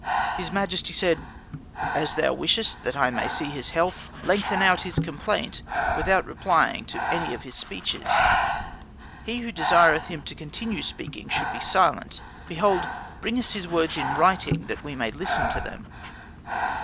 His majesty said, "As thou wishest that I may see health! lengthen out his complaint, without replying to any of his speeches. He who desireth him to continue speaking should be silent; behold, bring us his words in writing, that we may listen to them.